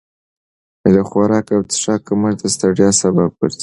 د خوراک او څښاک کمښت د ستړیا سبب ګرځي.